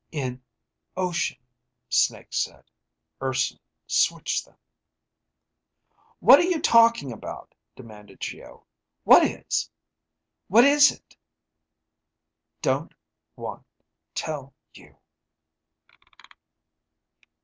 In ... ocean, Snake said. Urson ... switched ... them. "What are you talking about?" demanded Geo. "What is it?" _Don't ... want ... tell ... you